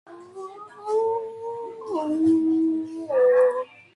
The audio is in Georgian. მას სახელი ბებიის, დანიის დედოფალ დოროთეა ბრანდენბურგელის პატივსაცემად დაარქვეს.